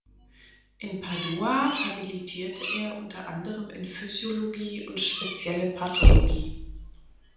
In Padua habilitierte er unter anderem in Physiologie und spezielle Pathologie.